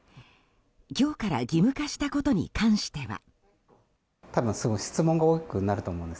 今日から義務化したことに関しては。